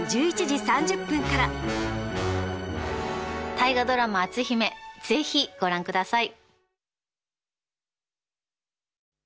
大河ドラマ「篤姫」是非ご覧ください！